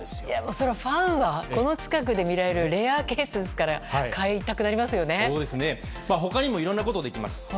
それはファンはこんな近くで見られるレアケースですから他にもいろいろなことができます。